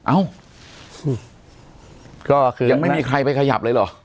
อ้าวยังไม่มีใครไปขยับเลยหรอ